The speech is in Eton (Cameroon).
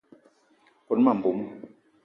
Kone ma mbomo.